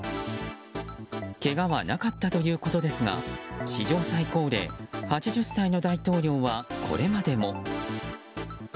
けがはなかったということですが史上最高齢８０歳の大統領はこれまでも。